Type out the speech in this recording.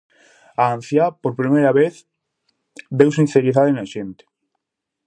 A anciá, por primeira vez, veu sinceridade na xente.